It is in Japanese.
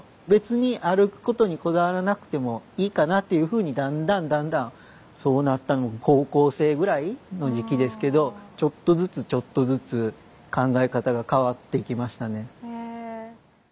別に歩くことにこだわらなくてもいいかなっていうふうにだんだんだんだんそうなったのは高校生ぐらいの時期ですけどちょっとずつちょっとずつ考え方が変わってきましたね。